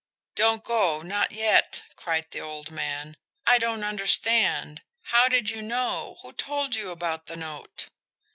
"Don't go not yet," cried the old man. "I don't understand. How did you know who told you about the note?"